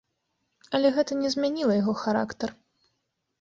Але гэта не змяніла яго характар.